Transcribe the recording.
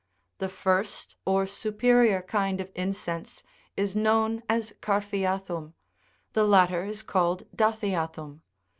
The first, or superior kind of incense, is known as carnathum," the latter is called dathiathum.